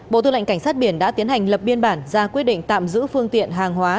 bộ tư lệnh cảnh sát biển đã tiến hành lập biên bản ra quyết định tạm giữ phương tiện hàng hóa